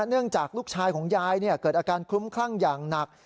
เนื่องจากลูกชายของยายเนี่ยเกิดอาการคุ้มคลั่งอย่างหนัก